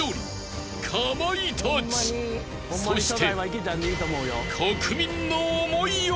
［そして］